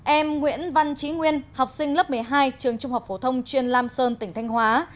em nguyễn văn trí nguyên học sinh lớp một mươi hai trường trung học phổ thông chuyên lam sơn tỉnh thanh hóa